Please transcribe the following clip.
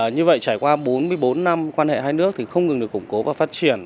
như vậy trải qua bốn mươi bốn năm quan hệ hai nước thì không ngừng được củng cố và phát triển